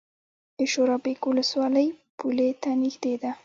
د شورابک ولسوالۍ پولې ته نږدې ده